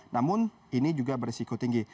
namun ini juga berisiko tinggi